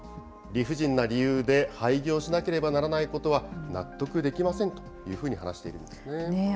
理不尽な理由で廃業しなければならないことは納得できませんというふうに話しているんですね。